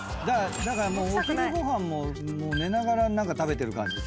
だからお昼ご飯も寝ながら何か食べてる感じですね。